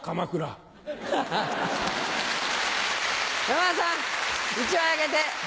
山田さん１枚あげて！